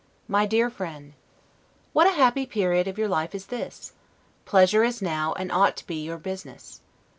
1751. MY DEAR FRIEND: What a happy period of your life is this? Pleasure is now, and ought to be, your business.